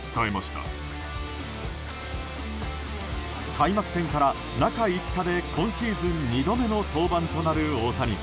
開幕戦から中５日で、今シーズン２度目の登板となる大谷。